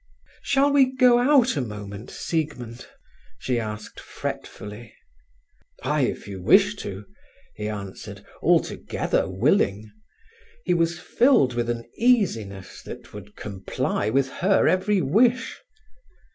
"Shall we go out a moment, Siegmund?" she asked fretfully. "Ay, if you wish to," he answered, altogether willing. He was filled with an easiness that would comply with her every wish.